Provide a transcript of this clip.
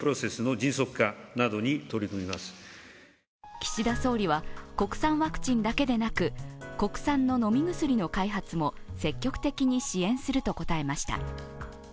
岸田総理は国産ワクチンだけでなく国産の飲み薬の開発も積極的に支援すると答えました。